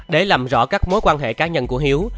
để làm rõ các mối quan hệ cá nhân của hiếu